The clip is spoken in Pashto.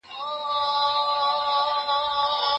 هغه د جګړې په ډگر کې د خپل زړورتیا ثبوت ورکړ.